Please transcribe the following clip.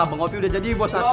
bang ovi udah jadi bos satu